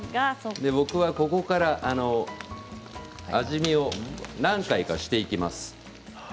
僕は、ここから味見を何回かしていきます。